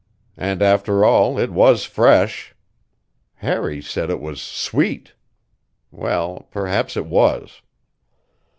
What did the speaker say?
And, after all, it was fresh. Harry said it was "sweet." Well, perhaps it was.